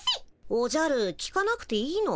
おじゃる聞かなくていいの？